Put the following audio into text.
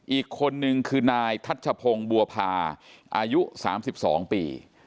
อีกคนนึงคือนายทัชพงศ์บัวพาอายุ๓๒ปี